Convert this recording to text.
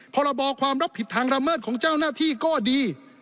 พรบความรับผิดทางระเมิดของเจ้าหน้าที่ก็ดี